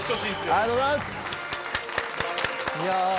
ありがとうございます！